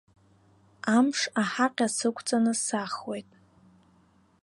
Амш аҳаҟьа сықәҵаны сахуеит.